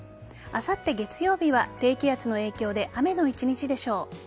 あさって月曜日は低気圧の影響で雨の一日でしょう。